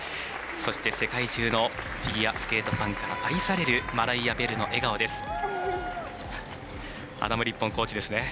そして、世界中のフィギュアスケートファンから愛されるマライア・ベルの笑顔です。